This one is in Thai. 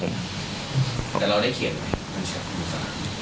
แต่เราได้เขียนไหมมันใช่หรือเปล่า